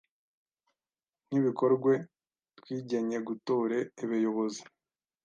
Nk’ibikorwe twigenye gutore ebeyobozi,